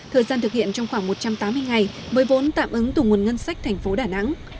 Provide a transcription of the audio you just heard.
thời gian thực hiện trong khoảng một trăm tám mươi ngày với vốn tạm ứng tù nguồn ngân sách thành phố đà nẵng